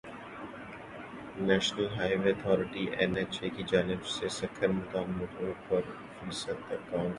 national highway authority N H A کی جانب سے سکھر ملتان موٹر وے پر فیصد تک کام کر لیا گیا ہے